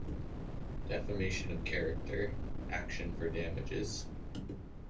Defamation of character: action for damages.